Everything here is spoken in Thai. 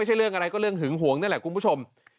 เรื่องอะไรก็เรื่องหึงหวงนั่นแหละคุณผู้ชม